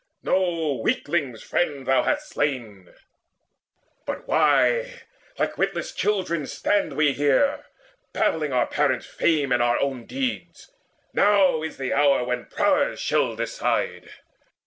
No weakling's friend thou hast slain! But why like witless children stand we here Babbling our parents' fame and our own deeds? Now is the hour when prowess shall decide."